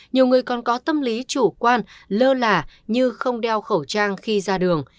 nhiều người còn có tâm lý chủ quan lơ lả như không đeo khẩu trang khi ra đường